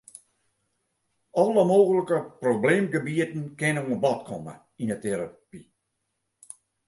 Alle mooglike probleemgebieten kinne oan bod komme yn 'e terapy.